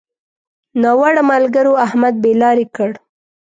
ناوړه ملګرو؛ احمد بې لارې کړ.